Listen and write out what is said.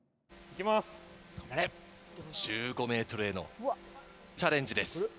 １５ｍへのチャレンジです。